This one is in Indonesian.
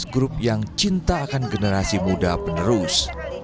grup yang cinta akan generasi muda penerus